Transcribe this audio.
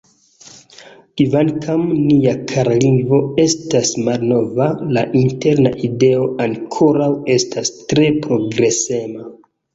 Kvankam nia kara lingvo estas malnova, la interna ideo ankoraŭ estas tre progresema.